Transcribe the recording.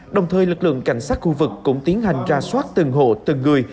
đồng thời lực lượng cảnh sát khu vực cũng tiến hành ra soát từng hộ từng người